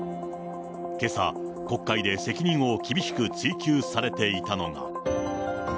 けさ、国会で責任を厳しく追及されていたのが。